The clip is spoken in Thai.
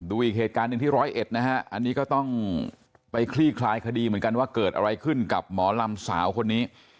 อีกเหตุการณ์หนึ่งที่ร้อยเอ็ดนะฮะอันนี้ก็ต้องไปคลี่คลายคดีเหมือนกันว่าเกิดอะไรขึ้นกับหมอลำสาวคนนี้